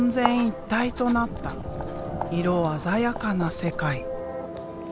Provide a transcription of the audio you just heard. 一体となった色鮮やかな世界。